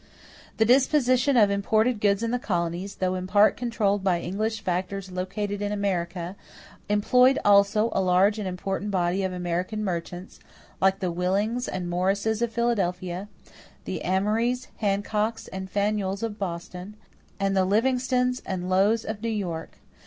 The disposition of imported goods in the colonies, though in part controlled by English factors located in America, employed also a large and important body of American merchants like the Willings and Morrises of Philadelphia; the Amorys, Hancocks, and Faneuils of Boston; and the Livingstons and Lows of New York.